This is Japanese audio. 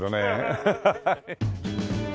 ハハハハッ！